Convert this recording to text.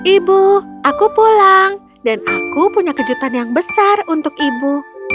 ibu aku pulang dan aku punya kejutan yang besar untuk ibu